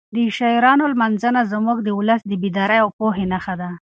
د شاعرانو لمانځنه زموږ د ولس د بیدارۍ او پوهې نښه ده.